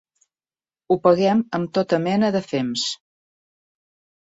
Ho paguem amb tota mena de fems.